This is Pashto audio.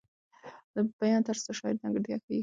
د بیان طرز د شاعر ځانګړتیا ښیي.